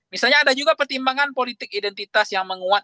misalnya ada juga pertimbangan politik identitas yang menguat